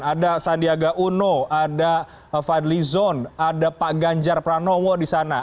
ada sandiaga uno ada fadli zon ada pak ganjar pranowo di sana